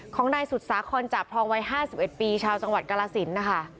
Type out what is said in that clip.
ของนายสุดสาคอนจาบทองวัย๕๑ปีชาวจังหวัดกรสินนะคะ